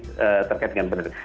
jadi terkait dengan benar benar